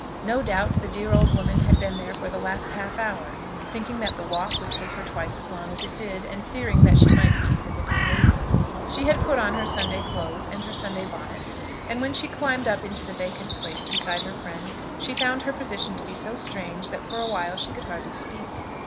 No doubt the dear old woman had been there for the last half hour, thinking that the walk would take her twice as long as it did, and fearing that she might keep the Vicar waiting. She had put on her Sunday clothes and her Sunday bonnet, and when she climbed up into the vacant place beside her friend she found her position to be so strange that for a while she could hardly speak.